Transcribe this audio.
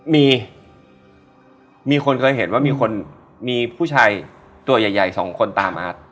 มีมีคนเคยเห็นว่ามีผู้ชายตัวใหญ่๒คนตามอัด